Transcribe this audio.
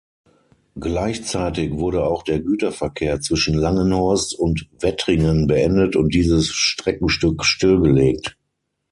Gleichzeitig wurde auch der Güterverkehr zwischen Langenhorst und Wettringen beendet und dieses Streckenstück stillgelegt.